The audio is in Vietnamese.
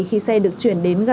khi xe được chuyển đến gara